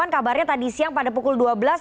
kabarnya tadi siang pada pukul dua belas